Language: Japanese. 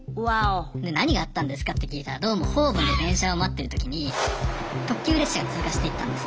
何があったんですかって聞いたらどうもホームで電車を待ってる時に特急列車が通過していったんですよ。